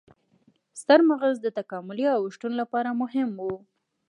ستر مغز د تکاملي اوښتون لپاره مهم و.